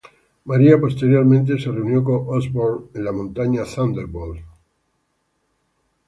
Maria posteriormente se reunió con Osborn en la Montaña Thunderbolt.